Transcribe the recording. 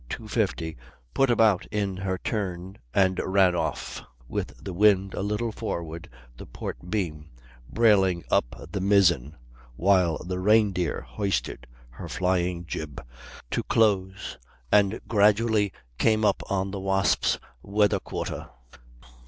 50, put about in her turn and ran off, with the wind a little forward the port beam, brailing up the mizzen, while the Reindeer hoisted her flying jib, to close, and gradually came up on the Wasp's weather quarter.